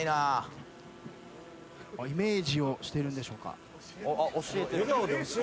イメージをしているんでしょうか？